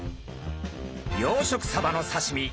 養殖サバの刺身